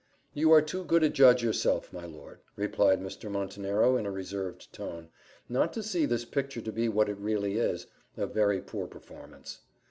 "You are too good a judge yourself, my lord," replied Mr. Montenero, in a reserved tone, "not to see this picture to be what it really is, a very poor performance."